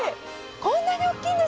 こんなに大きいんですね。